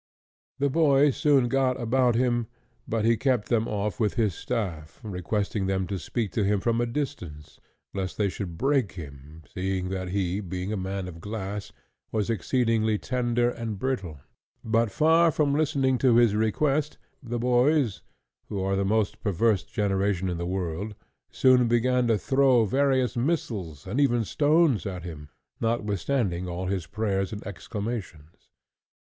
The boys soon got about him, but he kept them off with his staff, requesting them to speak to him from a distance, lest they should break him, seeing that he, being a man of glass, was exceedingly tender and brittle. But far from listening to his request, the boys, who are the most perverse generation in the world, soon began to throw various missiles and even stones at him, notwithstanding all his prayers and exclamations.